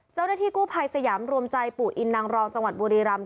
เจ้าหน้าที่กู้ภัยสยามรวมใจปู่อินนางรองจังหวัดบุรีรำ